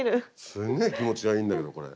すんげえ気持ちがいいんだけどこれ。